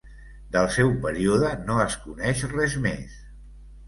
Del seu període no es coneix res més.